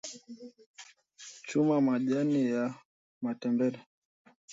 Chuma majani ya matembele